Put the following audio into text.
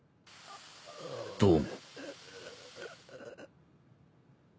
どうも。